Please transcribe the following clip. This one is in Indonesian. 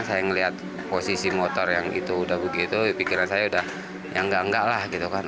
saya melihat posisi motor yang itu udah begitu pikiran saya udah ya enggak enggak lah gitu kan